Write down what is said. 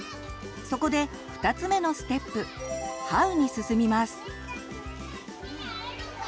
そこで２つ目のステップ「ＨＯＷ」に進みます。